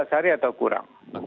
empat belas hari atau kurang